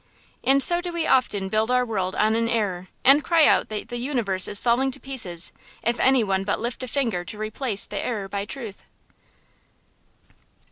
And so do we often build our world on an error, and cry out that the universe is falling to pieces, if any one but lift a finger to replace the error by truth.